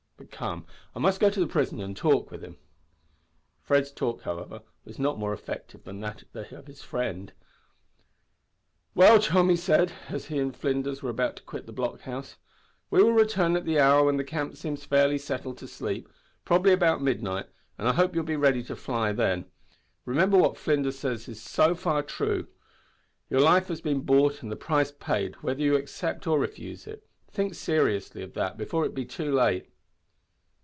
But, come, I must go to the prison and talk with him." Fred's talk, however, was not more effective than that of his friend had been. "Well, Tom," he said, as he and Flinders were about to quit the block house, "we will return at the hour when the camp seems fairly settled to sleep, probably about midnight, and I hope you will then be ready to fly. Remember what Flinders says is so far true your life has been bought and the price paid, whether you accept or refuse it. Think seriously of that before it be too late."